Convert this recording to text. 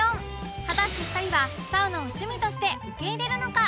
果たして２人はサウナを趣味として受け入れるのか？